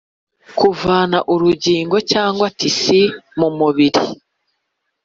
Kuvana urugingo cyangwa tisi mu mubiri